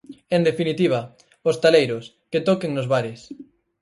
En definitiva, hostaleiros, que toquen nos bares.